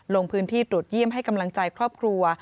ลงพื้นที่ตรวจเยี่ยมให้กำลังใจครอบครัว